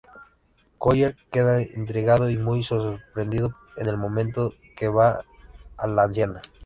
Collier queda intrigado y muy sorprendido en el momento que ve a la anciana.